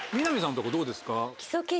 南さんとかどうですか？